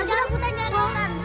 jangan putar jangan putar